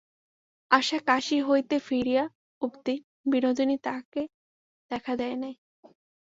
আশা কাশী হইতে ফিরিয়া অবধি বিনোদিনী তাহাকে দেখা দেয় নাই।